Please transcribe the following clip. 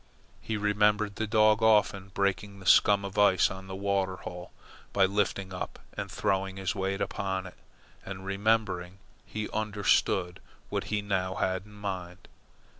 He remembered the dog often breaking the scum of ice on the water hole by lifting up and throwing his weight upon it; and remembering, he understood what he now had in mind.